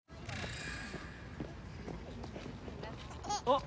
あっ！